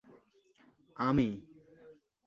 তিনি কেনিয়ার হয়ে একদিনের আন্তর্জাতিক ক্রিকেট খেলেন।